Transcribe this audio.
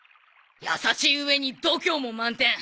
優しい上に度胸も満点。